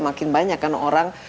makin banyak kan orang